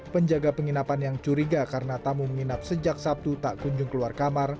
penjaga penginapan yang curiga karena tamu menginap sejak sabtu tak kunjung keluar kamar